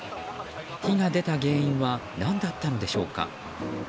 火が出た原因は何だったのでしょうか。